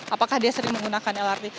apakah dia sering menggunakan lrt